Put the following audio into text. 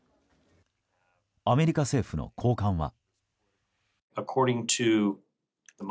アメリカ政府の高官は。